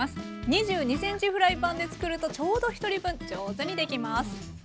２２ｃｍフライパンで作るとちょうどひとり分上手にできます。